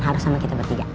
harus sama kita bertiga oke